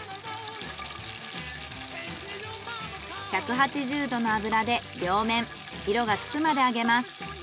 １８０度の油で両面色がつくまで揚げます。